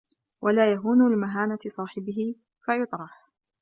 وَلَا يَهُونُ لِمَهَانَةِ صَاحِبِهِ فَيُطْرَحُ